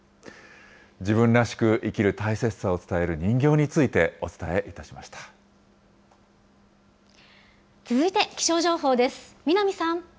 自分らしく生きる大切さを伝える続いて気象情報です。